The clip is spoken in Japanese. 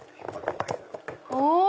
お！